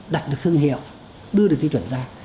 đặt được thương hiệu đưa được tiêu chuẩn ra